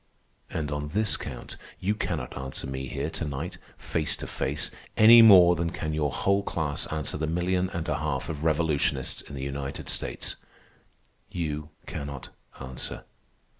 And on this count you cannot answer me here to night, face to face, any more than can your whole class answer the million and a half of revolutionists in the United States. You cannot answer.